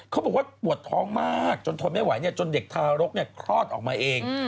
เขาบอกว่าปวดท้องมากจนทนไม่ไหวจนเด็กทารกคลอดออกมาเอง